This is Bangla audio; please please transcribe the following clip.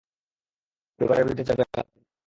পরিবারের বিরুদ্ধে যাবে না তুমি।